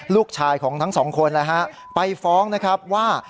ลูกชายของทั้ง๒คนไปฟ้องนะครับว่า